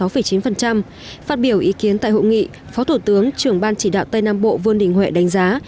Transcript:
phát biểu ý kiến tại hội nghị phó thủ tướng trưởng ban chỉ đạo tây nam bộ vương đình huệ đánh giá